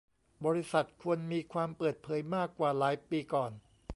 บริษัทควรมีความเปิดเผยมากกว่าหลายปีก่อน